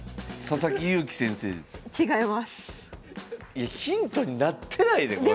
いやヒントになってないでこれ。